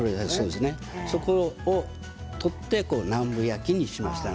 で、それを取って南部焼きにしました。